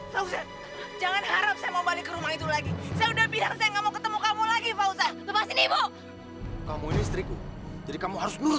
pausat jangan harap saya mau balik ke rumah itu lagi